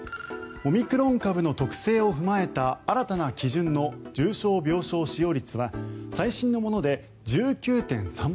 オミクロン株の特性を踏まえた新たな基準の重症病床使用率は最新のもので１９．３％。